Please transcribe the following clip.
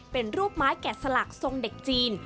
เป็นรูปไม้แกะสลักทรงเด็กจีน